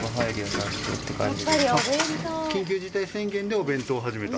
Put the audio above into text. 緊急事態宣言でお弁当を始めた？